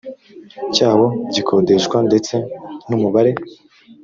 cyawo gikodeshwa ndetse n umubare